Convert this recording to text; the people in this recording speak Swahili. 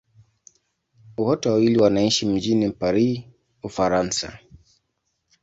Wote wawili wanaishi mjini Paris, Ufaransa.